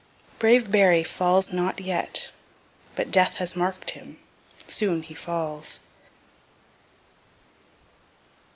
(Brave Berry falls not yet but death has mark'd him soon he falls.)